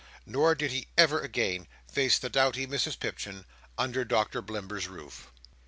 Nor did he ever again face the doughty Mrs Pipchin, under Doctor Blimber's roof.